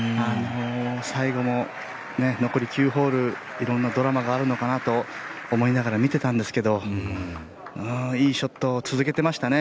最後も、残り９ホール色んなドラマがあるのかなと思いながら見ていたんですけどいいショットを続けてましたね。